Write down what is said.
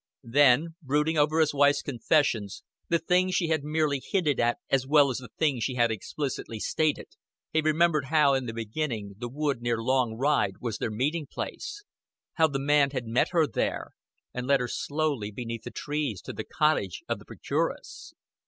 Then, brooding over his wife's confession the things she had merely hinted at as well as the things she had explicitly stated he remembered how in the beginning the wood near Long Ride was their meeting place, how the man had met her there, and led her slowly beneath the trees to the cottage of the procuress.